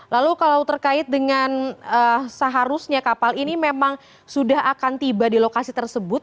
lalu kalau terkait dengan seharusnya kapal ini memang sudah akan tiba di lokasi tersebut